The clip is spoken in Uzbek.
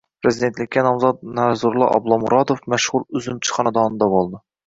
Prezidentlikka nomzod Narzullo Oblomurodov mashhur uzumchi xonadonida bo‘ldi